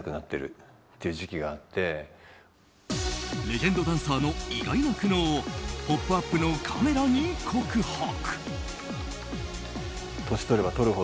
レジェンドダンサーの意外な苦悩を「ポップＵＰ！」のカメラに告白。